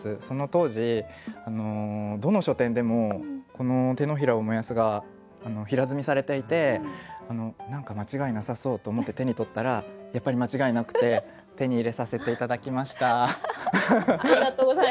その当時どの書店でもこの「てのひらを燃やす」が平積みされていて何か間違いなさそうと思って手に取ったらやっぱり間違いなくて手に入れさせて頂きました。